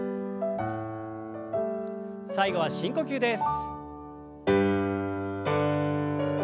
最後は深呼吸です。